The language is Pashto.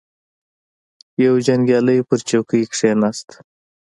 یو جنګیالی په چوکۍ کښیناست.